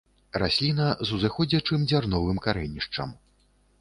Расліна з узыходзячым дзярновым карэнішчам.